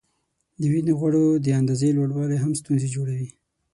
د وینې غوړو د اندازې لوړوالی هم ستونزې جوړوي.